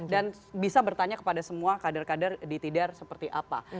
dan bisa bertanya kepada semua kader kader di tidar seperti apa